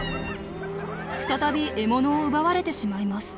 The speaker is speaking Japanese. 再び獲物を奪われてしまいます。